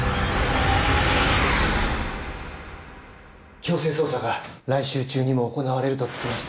強制捜査が来週中にも行われると聞きました。